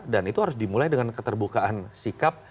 dan itu harus dimulai dengan keterbukaan sikap